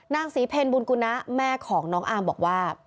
นางศรีเพลบุญกุณะแม่ของน้องอาร์มบอกว่า